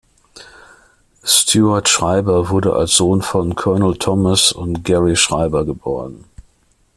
Stuart Schreiber wurde als Sohn von Colonel Thomas und Gerrie Schreiber geboren.